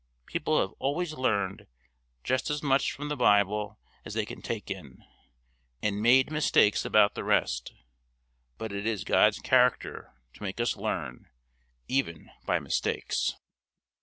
People have always learned just as much from the Bible as they can take in, and made mistakes about the rest; but it is God's character to make us learn even by mistakes."